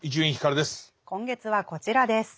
今月はこちらです。